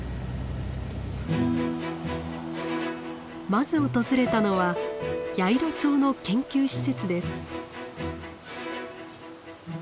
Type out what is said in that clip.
まず訪れたのはヤイロチョウの研究施設です。